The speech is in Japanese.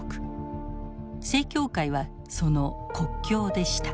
正教会はその国教でした。